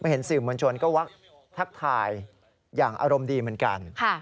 เห็นสื่อมวลชนก็วักทักทายอย่างอารมณ์ดีเหมือนกัน